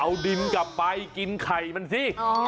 เอาดินกลับไปกินไข่มันสิ